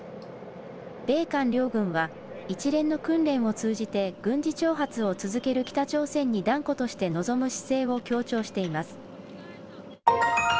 米韓両軍は、一連の訓練を通じて、軍事挑発を続ける北朝鮮に断固として臨む姿勢を強調しています。